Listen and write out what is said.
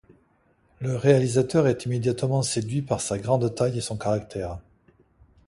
Le réalisateur est immédiatement séduit par sa grande taille et son caractère.